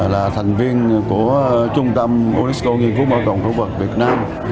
là thành viên của trung tâm unesco nghiên cứu mọi tổng phổ vật việt nam